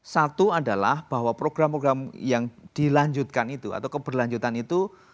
satu adalah bahwa program program yang dilanjutkan itu atau keberlanjutan itu